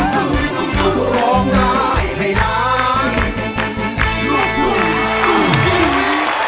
โง่ในโง่ในโง่ใน